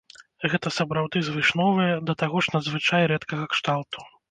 Гэта сапраўды звышновая, да таго ж надзвычай рэдкага кшталту.